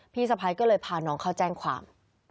พี่สะพ้ายก็เลยพาน้องเข้าแจ้งความ